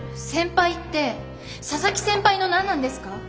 先輩って佐々木先輩の何なんですか？